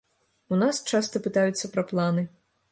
У нас часта пытаюцца пра планы.